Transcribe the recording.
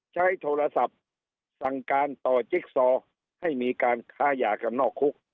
ใช้โทรศัพท์สั่งการต่อจิ๊กซอให้มีการค้ายากันนอกคุก